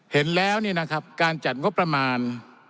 เห็นแล้วเนี่ยนะครับการจัดงบประมาณ